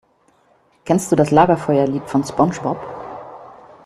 Kennst du das Lagerfeuerlied von SpongeBob?